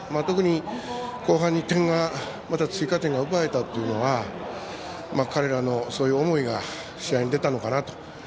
特に、後半に追加点が奪えたというのは彼らのそういう思いが試合に出たのかなと。